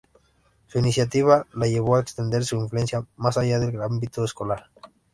Su iniciativa la llevó a extender su influencia más allá del ámbito escolar.